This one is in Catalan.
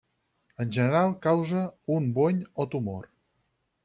En general causa un bony o tumor.